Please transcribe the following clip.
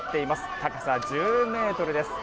高さは１０メートルです。